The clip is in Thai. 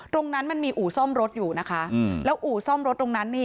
ตรงนั้นมันมีอู่ซ่อมรถอยู่นะคะแล้วอู่ซ่อมรถตรงนั้นนี่